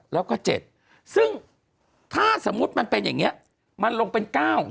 แล้วก็๗ซึ่งถ้าสมมุติมันเป็นอย่างนี้มันลงเป็น๙